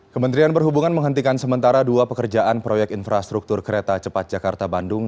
kementerian perhubungan menghentikan sementara dua pekerjaan proyek infrastruktur kereta cepat jakarta bandung